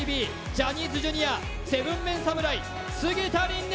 ジャニーズＪｒ．７ＭＥＮ侍菅田琳寧